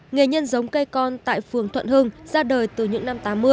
nghề nhân giống cây con tại phường thuận hưng ra đời từ những năm tám mươi